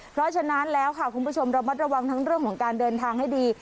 เพราะฉะนั้นแล้วค่ะคุณผู้ชมระมัดระวังทั้งเรื่องของการเดินทางให้ดี